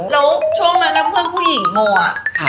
แล้วช่วงนั้นเพื่อนผู้หญิงโมอะ